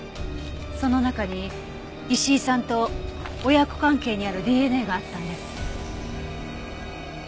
その中に石井さんと親子関係にあるＤＮＡがあったんです。